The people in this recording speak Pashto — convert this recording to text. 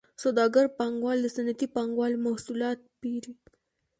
سوداګر پانګوال د صنعتي پانګوالو محصولات پېري